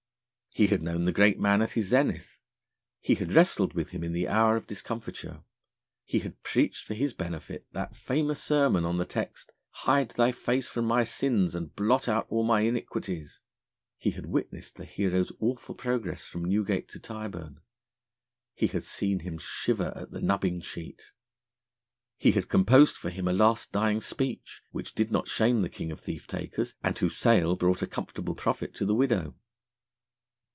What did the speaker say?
He had known the Great Man at his zenith; he had wrestled with him in the hour of discomfiture; he had preached for his benefit that famous sermon on the text: 'Hide Thy Face from my sins, and blot out all my Iniquities'; he had witnessed the hero's awful progress from Newgate to Tyburn; he had seen him shiver at the nubbing cheat; he had composed for him a last dying speech, which did not shame the king of thief takers, and whose sale brought a comfortable profit to the widow.